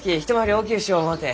大きゅうしよう思うて。